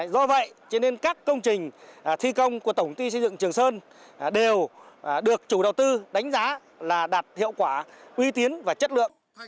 do vậy các công trình thi công của tổng công ty xây dựng trường sơn đều được chủ đầu tư đánh giá là đạt hiệu quả uy tiến và chất lượng